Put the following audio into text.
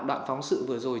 đoạn phóng sự vừa rồi